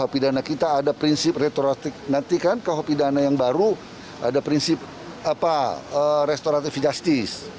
pidana yang baru ada prinsip restoratif justice